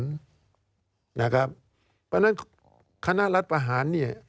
เพราะฉะนั้นคณะรัฐประหารเนี่ย